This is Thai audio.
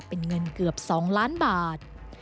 เป็นเงินเกือบ๒ล้านบาท